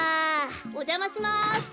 おじゃまします。